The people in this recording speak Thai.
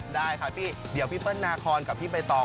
เดี๋ยวพี่เปิ้ลนาคอนกับพี่ไปตอง